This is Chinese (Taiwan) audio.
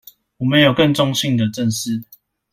我們有更中性的「正視」